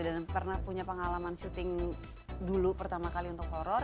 dan pernah punya pengalaman syuting dulu pertama kali untuk horror